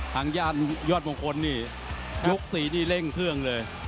ทางญาติยอดมงคลนี่ยก๔นี่เร่งเครื่องเลย